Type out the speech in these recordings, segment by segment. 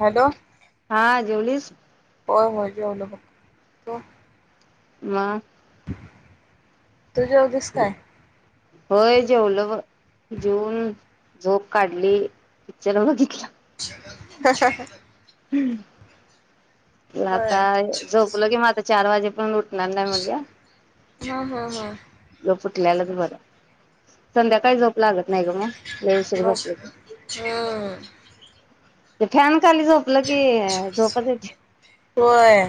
Hello हा जेवलीस? होय होय जेवलो बघ. मग [inaudible] काय? [unintelligible] होय जेवलो बग जेवून होय झोप काढली पिक्चर बघितलं. ह. हं हं.... आता झोपले की मग चार वाजेपर्यंत उठणार नाही म्हणलं. हा हा हा. उठल्यालाच बर संध्याकाळी झोप लागत नाही ग मग लय उशीर मग झोपलं की. हम्म [inaudible] खाली झोपलं की झोपतच......... होय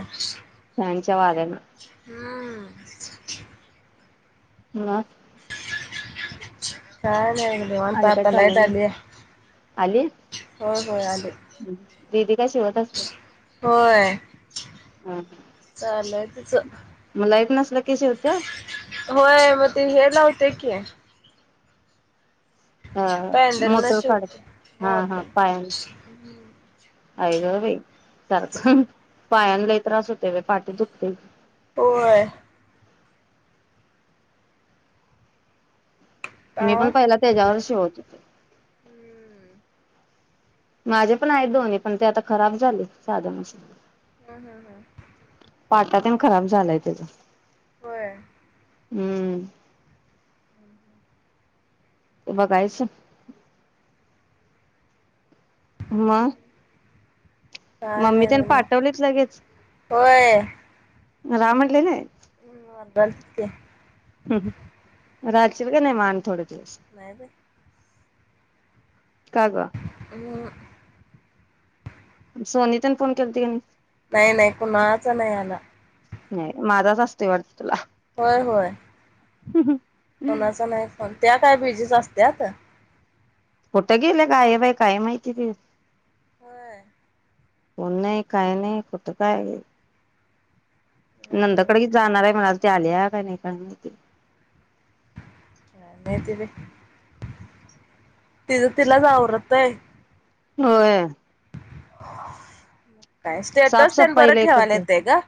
नाय. [inaudible] हम्म हम [unintelligible] हा नाही निवांत आणि काय आता लाईट चाललंय मग आलीया, आली होय होय आली. दीदी, काय शिवत असते? होय हा चालूय तिचं मला एक ना नकी शिवत्या व्हय, मग तेन हे लावतंय की. अ, पॅन्डल न मोठं फाड, शिवते हा मोठ हा पायान. आय गं बैय सारखं पायान लय त्रास होतोय पाठी दुखतंय. व्हय आ मी पण हम्म पहिला त्याच्यावर शिवत होती. माझे पण आहेत दोन्ही पण ते आता खराब झालेत, साध्या मशीन्न. हम्म हम्म हम् पाटा तेन खराब झालाय त्याचा. व्हय हम्म [inaudible] ते बघायचं. म्म काय नाही म्हणणं, लगेच व्हय रहा म्हणले नाय? [inaudible] राचील का नाही मग आणि थोडं. नाय बाई का ग अ सोनी तीन फोन केलती की नई? नाही नाही कुणाचा नाही आला नाही, माझाच असतंय वाटतं तुला. होय, होय. हम् हम कोणाचा नाय? पण त्या काय बीजीच असत्यात. कुठे गेले, काय बाई, काय माहिती ते. व्हय कोण नाही, काय नाही, कुठं काय. नंदकड ही काय जाणार हाय म्हणालतो. झाल्या काय नई काय माहिती? नाही तेंही तिज तिलाच आवरत नाय. होय [inaudible] काय स्टेटस तेनं साफसफाई बरं लय ठेवायला करते येतय ग.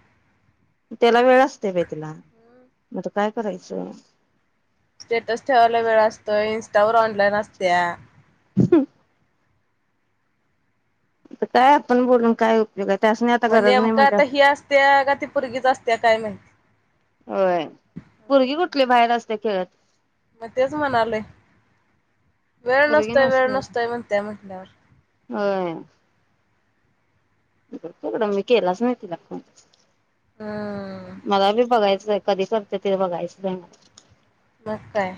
त्याला वेळ असतोय बाई तिला, मत काय करायचं. स्टेटस ठेवायला वेळ असतोय ई स्टा वर ऑनलाईन आसत्या. हम् आता काय आपण बोलून काय उपयोग आहे त्यासनी आता म गरज नाही नेमक आता म्हटल्यावर ही असत्या का, ती पुर्गीच असत्या काय माहिती. होय पुर्गी कुठ कुठली बाहेर असत्य खेळत. मग तेच म्हणालोय, वेळ पोरगी नसतोय वेळ नसते नसतोय म्हणत्या म्हटल्यावर. ह [unintelligible] मी केलाच नाही तिला फोन. हम्म मला बी बघायचंय- कधी करते ते बघायचंय मला. मग काय?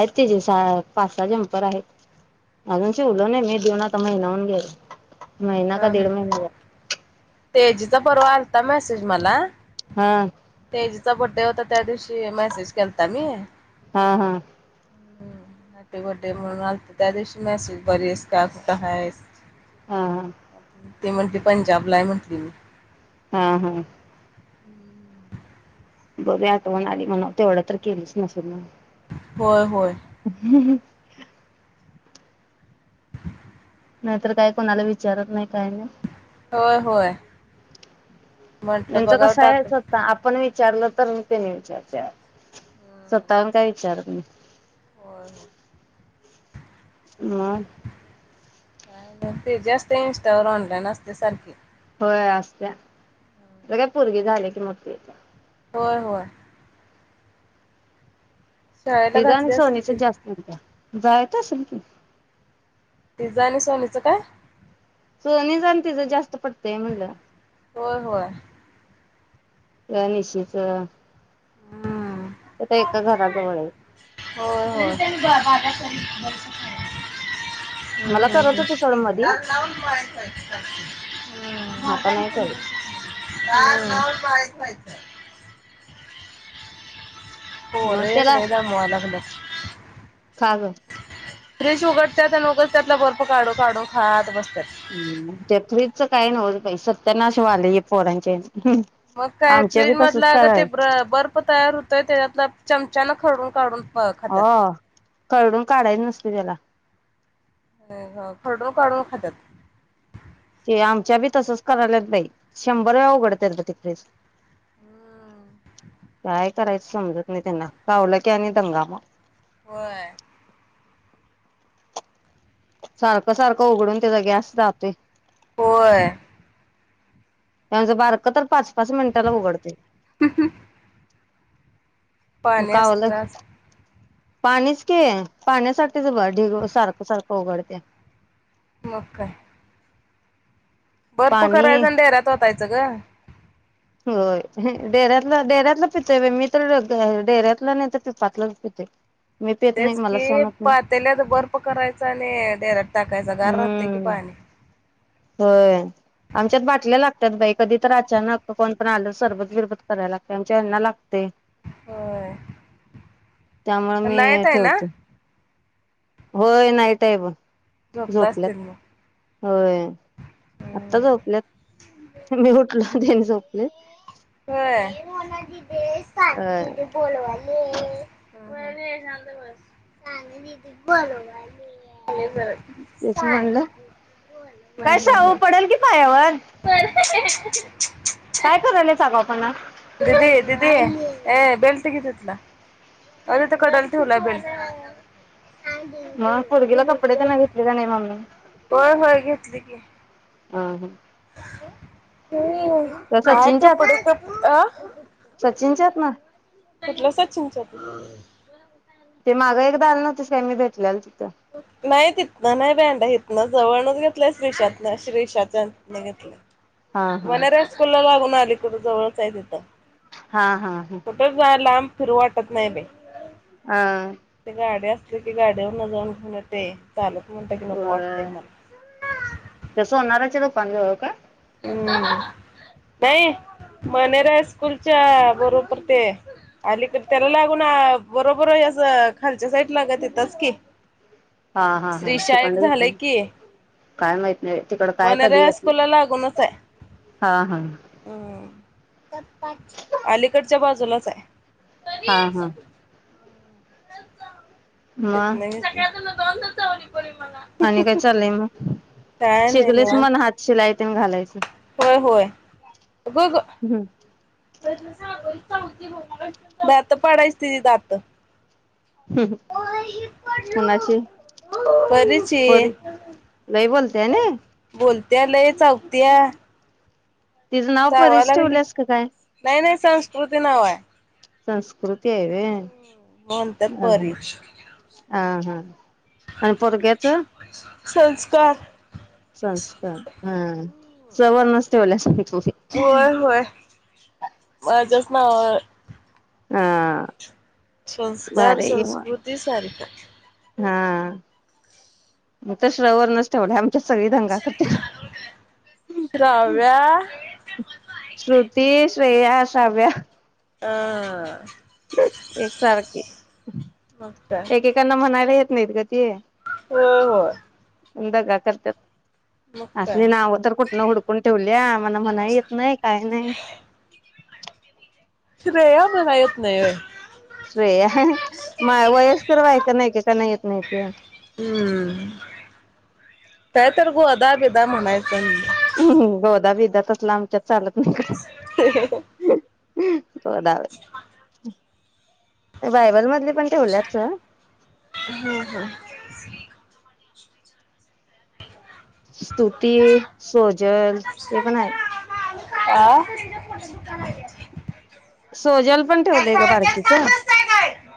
[unintelligible] पाच सहा झम्पर आले आजुन शीवल नाही मी. दोन आता महीना होऊन गेला. महिना का दीड महिना झाला. तेजूचा परवा आलता मेसेज मला- हा तेजूचा बड्डे होता- त्या दिवशी मेसेज केलता मी. - हा हम. हम् नाटे गोटे म्हणून आलत, त्या दिवशी मॅसेज बरी आहेस का? कुठ हायस? हा. ते म्हणली पंजाबला हाय म्हण- हं हा हम. बरी आठवन आली म्हणा तेवढं तर केलंच नसल मग- होय होय. हम्. नाहीतर काय कोणाला विचारत नाही काय नाही. होय होय. म्हंटलं त्यांच बघाव कसय टाक [unintelligible] आपण वि- विचारलं तर म तेनी विचारता, स्वतः काय विचारत नाही. होय हो. मग? काय नाई तेजाच ते इंस्टा वर ऑनलाईन असते सारखी. होय असते, म काय पोरगी झालिए की मोट्ठी होय, होय. शाळेला तिच आणि घातली असेल सोनीच की जास्त हो [unintelligible] जायाच असेल की- तिच आणि सोनीचं काय? सोनीच अन तीच जास- स्त पटतंया म्हंटल. होय होय. [unintelligible] ते तर हम्म एका घराजवळ आहे. -हो हो. हो मला हो करत होती सोड हो मधी दार लावून पळायचं असतं - आता हं नाही करत [inaudible] हां एक व्हायचंय. मग [unintelligible] [unintelligible] खागं. फ्रिश उघडते तर लोक त्यातला बर्फ काढो काढो खायात बस हम्म ते फ्रि ज च काही नव्ह सत्यानाश व्हाले ये पोरांच्या ये मग काय फ्रीज मधला का ते ब बर्फ तयार होतोय त्याच्यातला चमचा न खळून काढून प खात्यात. हो खरडून काढायच नसते त्याला अ ह खडू काडुन खात्यात. ते आमच्या बी तसच करायलात बाई शंभर वेळा उघडत्यात ग ते फ्रिज. हम्म. काय करायचं समजत नाही त्यांना कावलं की आणि दंगा म. होय. सारखं सारखं उघडून त्याचा गॅस जातोय होय. याच बारक तर पाच पाच मिनटाला उघडते. पाणी असल आज. पाणीच की पाण्यासाठीच ब ढिग सारखं सारखं उघडत्या मग काय. बर्प पाणी करायचा आणि डेऱ्यात ओतायचं ग. होय डेऱ्यातला डेऱ्यातलं पितोय मी तर डेऱ्यातल नाही तर पिपातलं पिते. तेच की पात्याल्यात बर्फ करायचा आणि डेऱ्यात टाकायचा गार राहतय की हम्म पाणी. होय आमच्यात बाटल्या लागतात बाई कधी तर अचानक कोण पण आलं सरबत बिरबत करायला लागते आमच्या यांना लागतय. होय. त्यामुळे मी नाईट आहे ना ठेवतो. होय नाहीट आहे ब झोपल्या असतील म. होय आत्ता झोपल्यात मी उठलो तेन झोपले. अ होय. [unintelligible] [unintelligible] तेच म्हणलं का शाहू हम्म पडल की पायावर. अच्छा. काय करायलायस आगावपणा दिदी दिदी ए बेल्ट घे तितला. अरे ते कडला ठेवलाय बेल्ट. मग पोरगीला कपडे तेन घेतली का नाही मम्मीनं? होय होय घेतली की. हा हा. हम्म त्या काय सचिनच्यात कपडे कप अं? सचिनच्यात ना भेटल सचिनच्यात. ते मागं एकदा आलं नव्हतीस काय मी भेटल्यालो ते. नाही तिथन नाही [unintelligible] म जवळनच घेतलंयस श्रीशा तनं श्रीशाच्या हा [unintelligible] हा वनर हायस्कुल ला लागून हाय. कुठ जवळच हाय तिथं. हा हा हा कुठच जाय लांब फिरू वाटत नाही बाई. अ ते गाड्यास की गाड्यावरनंजाऊन घेऊन येते. चालत म्हटलं की नको वाटतंय होय मला हो का? हम्म, नाही मणेरे हायस्कूलच्या बरोबर ते आलीकड त्याला लागून बरोबर हे असं खालच्या साईड ला गं तिथंच की. हा हा हा श्रीशा एक तिकंड येतंय झालंय ना, की काय माहित नाही तिकडं काय कधी येत नाही. से हा हा. अलीकडच्या बाजूलाच हाय. हां हां. तिथंन [inaudible] चाल आणि काय चाललंय मग? काय नाही शिकलीस निवांत. म्हन हातशिला ई तेन घालायचं. होय. अगं अगं. हम्म [unintelligible] दातं पडायची तिजी दातं. हम्म कुणाची [unintelligible] पडशील. त्या नाही? लत्या लय चौकत्या तिज नाव परीस ठेवल्यास का काय? नाही नाही संस्कृती नावाय. संस्कृतीय ए म्हणतात परी हं, हां हां आणि पोरग्याचं? संस्कार. संस्कार हं. सव नसते [unintelligible] [unintelligible] माज्याच नावावरय. हां संस्कार, संस्कृती, सारिका. हां, मी तर श्रवरनच ठेवला [inaudible] श्राव्या [unintelligible] श्रृुती, श्रेया, श्राव्या. [unintelligible] [unintelligible] एकसारखी, मग एकेकांना म्हणायला येत नाहीत ग ते. हो हो [unintelligible] का करत्यात. काय असली नावं तर कुठनं हुडकून ठेवल्या, म्हण म्हणाही येत नाही काही नाही. श्रेया मनाय येत नाई होय? श्रेया [unintelligible] मा वयस्कर बायका नाही का त्यांना येत नाहीत [unintelligible] हं, काय तर गोदा बिदा म्हनायच न, हं गोदा - बिदा तसला आमच्यात चालत नाही का हम्म [unintelligible] गोदा [unintelligible] ते बायबल मधले पण ठेवल्याच [unintelligible] हा हा स्तुती, सोजल ते पनाय. आ? [unintelligible] सोजल पण ठेवलय ग बारकीच?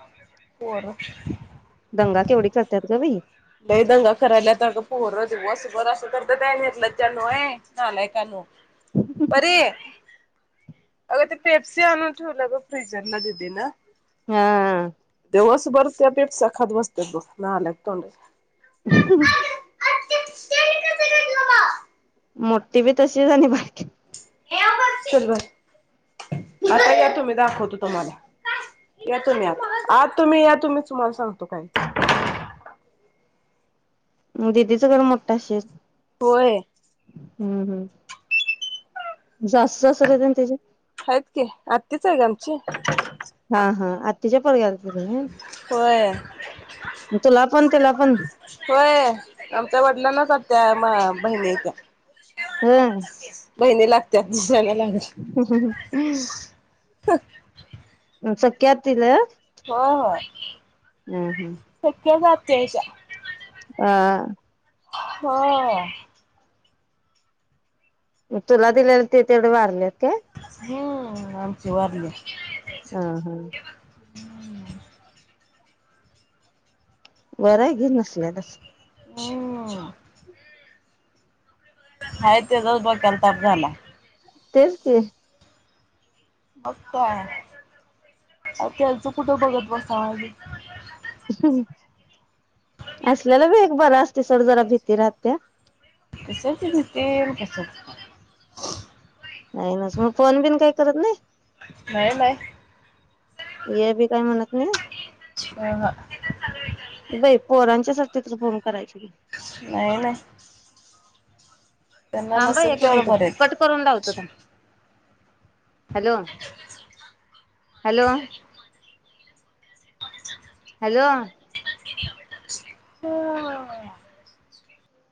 [unintelligible] पोर दंगा केवढी करतात ग बाई? लई दंगा करायल्यात अग पोर, दिवस भर अस करता ये निर्लज्जानो, ये नालायकानो. परी अग ते पेप्सी आणून ठेवला ग फ्रिजरला दिदीन. हा दिवसबर त्या पेप्स्या खात बसत्यात बघ, नालायक तोंडा [unintelligible] [unintelligible] मोट्टी बी तशीज आणि बारकी प चल बर आता या तुम्ही दाखवतो तुम्हाला या तुम्ही आत, आज तुम्ही या तुम्ही तुम्हाला सांगतो काय ते दिदीच घर मोट्टा असशेल होय हम्म हम, जास्त [unintelligible] आहेत की आत्तीच आहे ग आमची. हा हा आ होय. [unintelligible] तुला पण त्याला पण होय आमच्या वडिलांनाच आत्या, म बहिणी आहेत्या. हम्म बहिने लागत्याच हम हम ह [inaudible] सख्या आत्तीला? हो हो हम्म हम्म तेजा हा होय मग तुला दिलेल, ते तेवढे वारल्यात का? हम् आमची वारले. ह हा बरं आहे घे, नसल्यातच. हो हाय त्याजाच, डोक्याला ताप झालाय. तेच की मग काय? अव त्यालच कुठ बघत बसा. हम असल्याला वेग बरा असत ते सोड, जरा भीती राहत्या. कशाची भीती आणि कशाच काय. नाही नाच मग फोन बिन काही करत नाही. नाही नाही ये बी काय म्हणत नाही. ह ह बाई पोरांच्या सा [inaudible] फोन करायची की. नाही नाही. त्यांना थांब बाई नसेल एक तेवढं मिनिट, बरं कट करून लावतो थांब. हॅलो हॅलो हॅलो आहेत